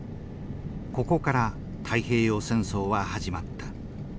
ここから太平洋戦争は始まった。